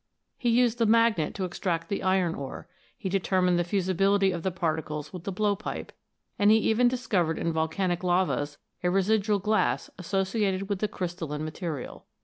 He used the magnet to extract the iron ore ; he determined the fusibility of the particles with the blowpipe ; and he even dis covered in volcanic lavas a residual glass associated with the crystalline material d).